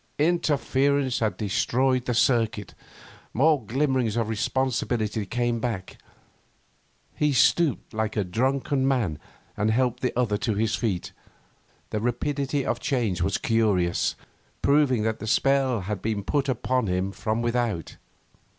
Interference had destroyed the circuit. More glimmerings of responsibility came back. He stooped like a drunken man and helped the other to his feet. The rapidity of the change was curious, proving that the spell had been put upon him from without.